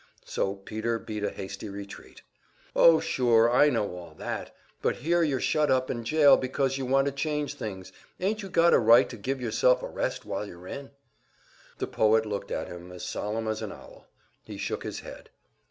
So Peter beat a hasty retreat. "Oh, sure, I know all that. But here you're shut up in jail because you want to change things. Ain't you got a right to give yourself a rest while you're in?" The poet looked at him, as solemn as an owl. He shook his head.